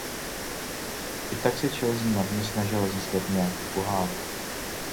I tak se Chelsea marně snažila získat nějaký pohár.